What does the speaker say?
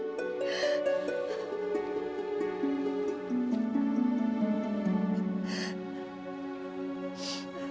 stavelnya juga dimachin beta peikis